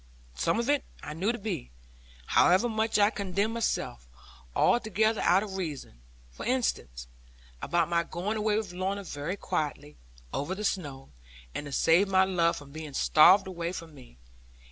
Some of it I knew to be (however much I condemned myself) altogether out of reason; for instance, about my going away with Lorna very quietly, over the snow, and to save my love from being starved away from me.